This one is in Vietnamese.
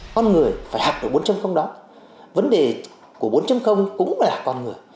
con người phải học được bốn đó vấn đề của bốn cũng là con người